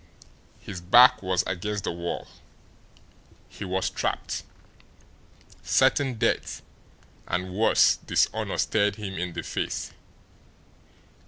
His back was against the wall; he was trapped; certain death, and, worse, dishonour stared him in the face.